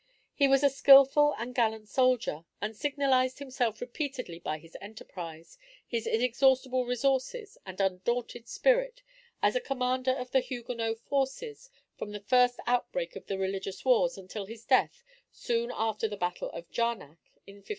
He was a skilful and gallant soldier, and signalized himself repeatedly by his enterprise, his inexhaustible resources, and undaunted spirit, as a commander of the Huguenot forces from the first outbreak of the religious wars until his death soon after the battle of Jarnac, in 1569.